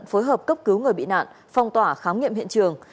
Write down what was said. phối hợp cấp cứu người bị nạn phong tỏa khám nghiệm hiện trường